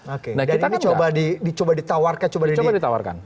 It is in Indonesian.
oke dan ini coba ditawarkan coba ditawarkan